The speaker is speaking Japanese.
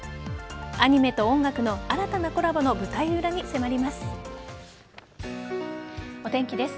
アニメと音楽の新たなコラボの舞台裏に迫ります。